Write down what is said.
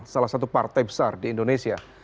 salah satu partai besar di indonesia